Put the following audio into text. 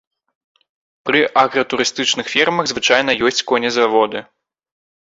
Пры агратурыстычных фермах звычайна ёсць конезаводы.